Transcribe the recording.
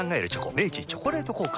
明治「チョコレート効果」